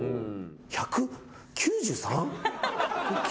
１９３？